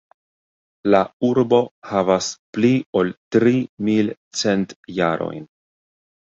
La urbo havas pli ol tri mil cent jarojn.